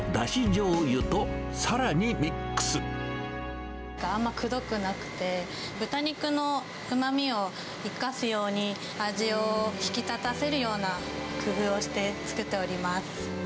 じょうゆと、さらにミックあんまくどくなくて、豚肉のうまみを生かすように、味を引き立たせるような工夫をして作っております。